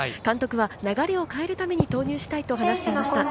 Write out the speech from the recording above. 監督は流れを変えるために投入したいと話していました。